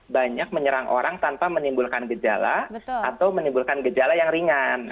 banyak menyerang orang tanpa menimbulkan gejala atau menimbulkan gejala yang ringan